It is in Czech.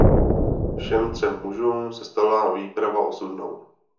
Všem třem mužům se stala výprava osudnou.